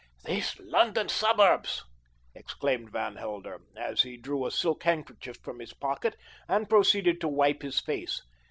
"These London suburbs!" exclaimed Van Helder, as he drew a silk handkerchief from his pocket and proceeded to wipe his face.